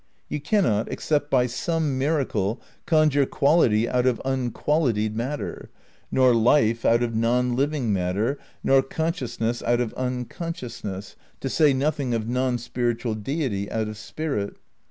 You cannot, except by some miracle, conjure quality out of "unqualitied" matter, nor life out of non living mat ter, nor consciousness out of unconsciousness, to say nothing of non spiritual Deity out of spirit.